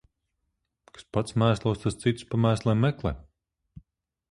Kas pats mēslos, tas citus pa mēsliem meklē.